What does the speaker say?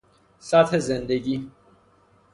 سطح زندگی